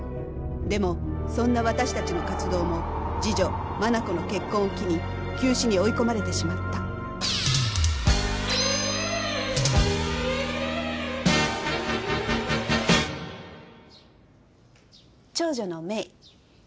でもそんな私たちの活動も次女・マナコの結婚を機に休止に追い込まれてしまった長女のメイ。